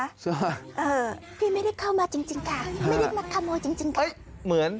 สวัสดีค่ะพี่ไม่ได้เข้ามาจริงค่ะไม่ได้มาขโมยจริงค่ะเหมือน